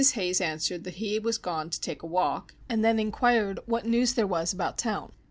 Hayes answered, that he was gone to take a walk, and then enquired what news there was about town.